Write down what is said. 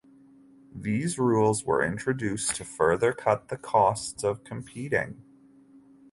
These rules were introduced to further cut the costs of competing.